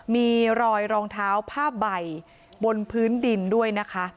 มีรอยรองเท้าผ้าใบบนพื้นดินด้วยนะคะ